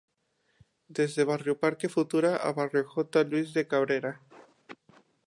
Desde barrio Parque Futura a barrio J. Luis de Cabrera.